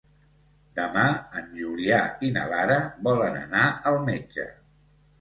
Demà en Julià i na Lara volen anar al metge.